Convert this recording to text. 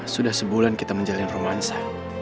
sudah sebulan kita menjalani romansa